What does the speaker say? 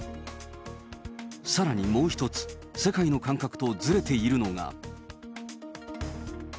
さらにもう一つ、世界の感覚とずれているのが。